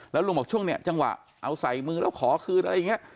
แล้วลุงบอกช่วงนี้จังหวะเอาใส่มึงแล้วขอคืนอะไรอย่างนี้